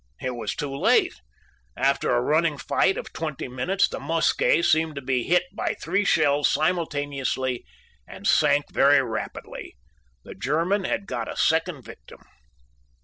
It was too late. After a running fight of twenty minutes the Mosquet seemed to be hit by three shells simultaneously and sank very rapidly. The German had got a second victim.